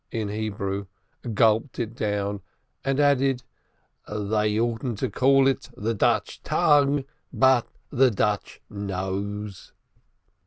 in Hebrew, gulped it down, and added, "They oughtn't to call it the Dutch tongue, but the Dutch nose."